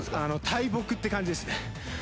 大木って感じですね